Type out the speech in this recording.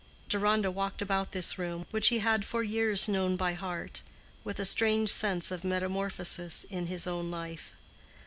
Deronda walked about this room, which he had for years known by heart, with a strange sense of metamorphosis in his own life.